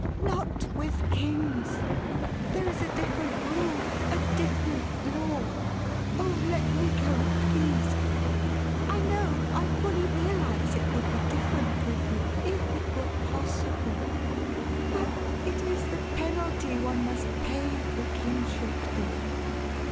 "Not with kings. There is a different rule, a different law. Oh, let me go please! I know, I fully realize, it would be different with you if it were possible. But it is the penalty one must pay for kingship, dear.